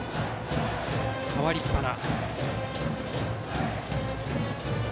代わりっぱな。